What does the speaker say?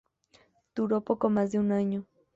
Duró poco más de un año.